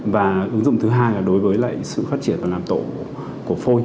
và ứng dụng thứ hai là đối với lại sự phát triển và làm tổ của phôi